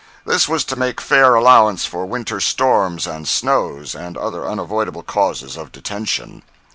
This was to make fair allowance for winter storms and snows, and other unavoidable causes of detention.